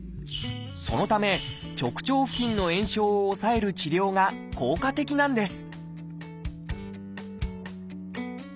そのため直腸付近の炎症を抑える治療が効果的なんです